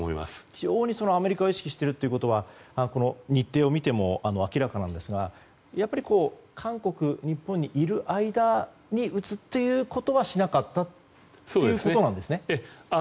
非常にアメリカを意識していることは日程を見ても明らかなんですが韓国、日本にいる間に撃つということはしなかったということですね。